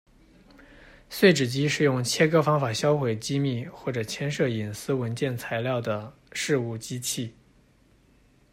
碎纸机是用切割方法销毁机密或者牵涉隐私文件材料的事务机器。